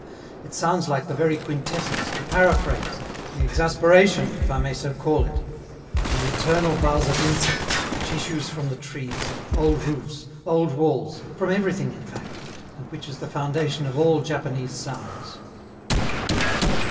It sounds like the very quintessence, the paraphrase, the exasperation, if I may so call it, of the eternal buzz of insects, which issues from the trees, old roofs, old walls, from everything in fact, and which is the foundation of all Japanese sounds.